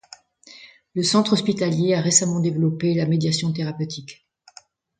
Le centre hospitalier a récemment développé la médiation thérapeutique.